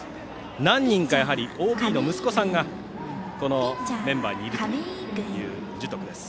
何人かＯＢの息子さんがメンバーにいるという樹徳。